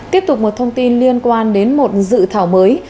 tiếp tục một thông tin liên quan đến một dự thảo mới